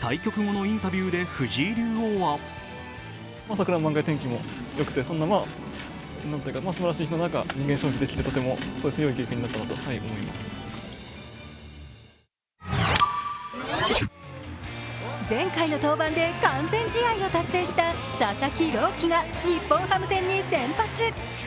対局後のインタビューで藤井竜王は前回の登板で完全試合を達成した佐々木朗希が日本ハム戦に先発。